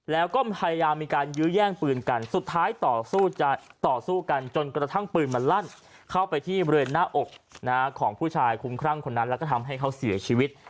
แล้วก็พยายามมีการยื้อแย่งปืนกันสุดท้ายต่อสู้กันจนกระทั่งปืนมันลั่นเข้าไปที่บริเวณหน้าอกของผู้ชายคุ้มครั่งคนนั้นแล้วก็ทำให้เขาเสียชีวิต